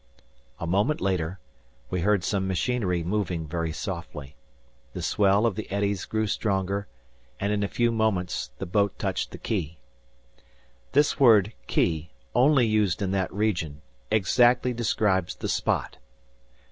A moment later, we heard some machinery moving very softly. The swell of the eddies grew stronger, and in a few moments the boat touched the quay. This word "quay," only used in that region, exactly describes the spot.